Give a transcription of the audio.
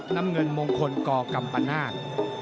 น้ำเงินมงคลกกรปรรมนาฬ